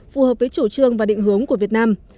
phù hợp với chủ trương và định hướng của việt nam